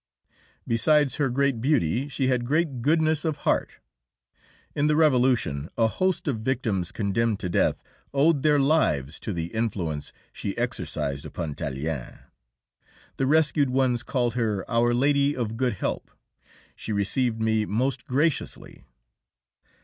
Besides her great beauty, she had great goodness of heart; in the Revolution a host of victims condemned to death owed their lives to the influence she exercised upon Tallien. The rescued ones called her "Our Lady of Good Help." She received me most graciously.